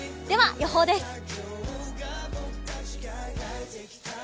では予報です。